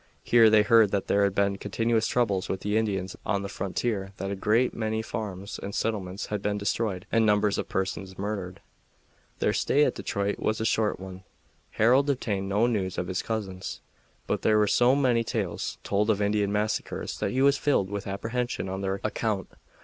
Here they heard that there had been continuous troubles with the Indians on the frontier; that a great many farms and settlements had been destroyed, and numbers of persons murdered. Their stay at Detroit was a short one. Harold obtained no news of his cousins, but there were so many tales told of Indian massacres that he was filled with apprehension on their account.